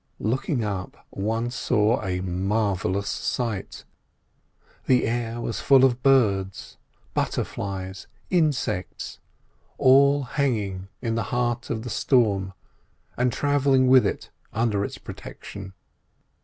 Looking up, one saw a marvellous sight. The air was full of birds, butterflies, insects—all hanging in the heart of the storm and travelling with it under its protection.